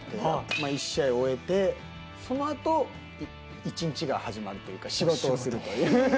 まあ１試合終えてそのあと一日が始まるというか仕事をするという。